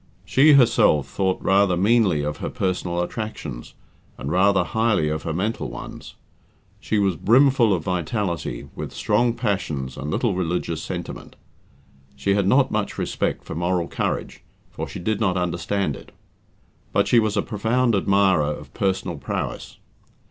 She herself thought rather meanly of her personal attractions, and rather highly of her mental ones. She was brimful of vitality, with strong passions, and little religious sentiment. She had not much respect for moral courage, for she did not understand it; but she was a profound admirer of personal prowess.